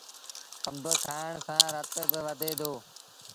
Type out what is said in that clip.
آݩب کآڻ سآݩ رت با وڌي دو۔